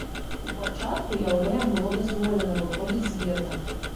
У пачатку яўрэям было дазволена выходзіць з гета.